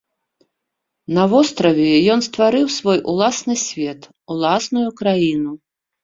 На востраве ён стварыў свой уласны свет, уласную краіну.